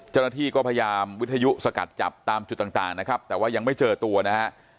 เจ้าหน้าที่ก็พยายามวิทยุสกัดจับตามจุดต่างนะครับแต่ว่ายังไม่เจอตัวนะฮะ